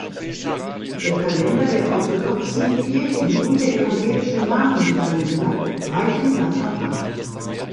Der Kalender der orthodoxen Kirchen und der Evangelische Namenkalender weichen davon ab.